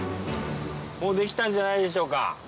もう出来たんじゃないでしょうか。